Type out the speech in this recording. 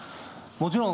もちろん、